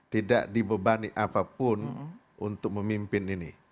tidak dibebani apapun untuk memimpin ini